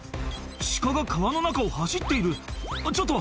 シカが川の中を走っているちょっと！